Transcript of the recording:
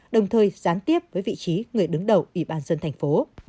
đồng thời gián tiếp với vị trí người đứng đầu ủy ban dân thành phố